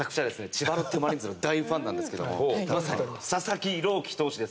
千葉ロッテマリーンズの大ファンなんですけども佐々木朗希投手ですよ。